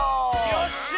よっしゃ！